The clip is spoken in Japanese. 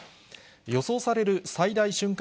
予想される最大瞬間